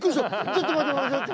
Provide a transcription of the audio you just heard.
ちょっと待って。